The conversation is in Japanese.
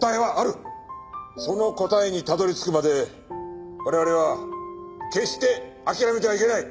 その答えにたどり着くまで我々は決して諦めてはいけない。